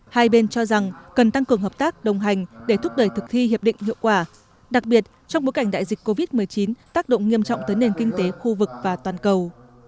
hai bên cho rằng cần tăng cường hợp tác đồng hành để thúc đẩy thực thi hiệp định hiệu quả đặc biệt trong bối cảnh đại dịch covid một mươi chín tác động nghiêm trọng tới nền kinh tế khu vực và toàn cầu